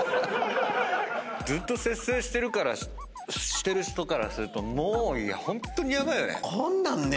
ずっと節制してるからしてる人からするともうホントにヤバいよね。